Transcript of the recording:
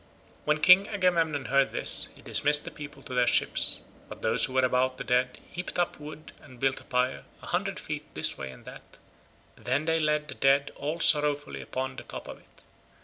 When King Agamemnon heard this he dismissed the people to their ships, but those who were about the dead heaped up wood and built a pyre a hundred feet this way and that; then they laid the dead all sorrowfully upon the top of it.